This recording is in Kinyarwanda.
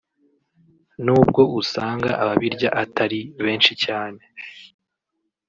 nubwo usanga ababirya atari benshi cyane